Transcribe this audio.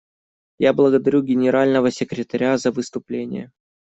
Я благодарю Генерального секретаря за выступление.